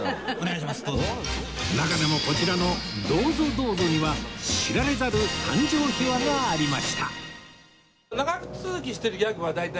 中でもこちらの「どうぞどうぞ！」には知られざる誕生秘話がありました